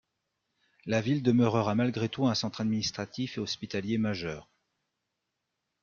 La ville demeura malgré tout un centre administratif et hospitalier majeur.